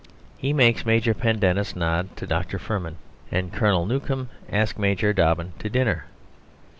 He makes Major Pendennis nod to Dr. Firmin, and Colonel Newcome ask Major Dobbin to dinner.